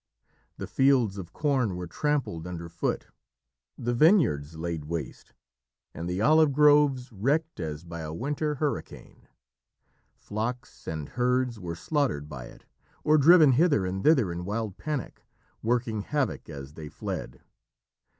The fields of corn were trampled under foot, the vineyards laid waste, and the olive groves wrecked as by a winter hurricane. Flocks and herds were slaughtered by it, or driven hither and thither in wild panic, working havoc as they fled.